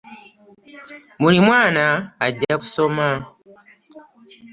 Buli mwana ajja kusoma.